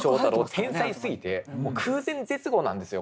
天才すぎてもう空前絶後なんですよ